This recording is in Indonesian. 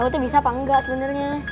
kamu tuh bisa apa enggak sebenernya